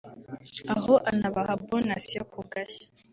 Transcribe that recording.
aho anabaha bonasi (Bonus) yo kugashya